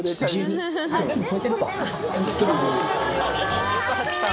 あよかった。